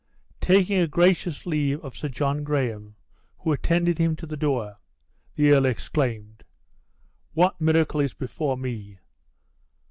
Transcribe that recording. Taking a gracious leave of Sir John Graham, who attended him to the door, the earl exclaimed, "What miracle is before me?